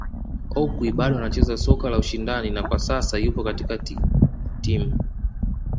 Okwi bado anacheza soka la ushindani na kwa sasa yupo katika timu